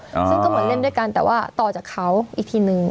ซึ่งก็เหมือนเล่นด้วยกันแต่ว่าต่อจากเขาอีกทีนึง